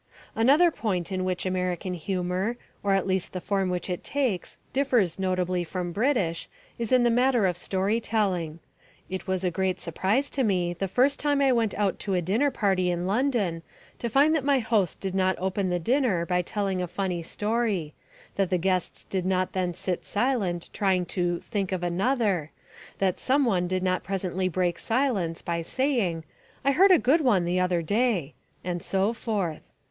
Another point in which American humour, or at least the form which it takes, differs notably from British, is in the matter of story telling. It was a great surprise to me the first time I went out to a dinner party in London to find that my host did not open the dinner by telling a funny story; that the guests did not then sit silent trying to "think of another"; that some one did not presently break silence by saying, "I heard a good one the other day," and so forth.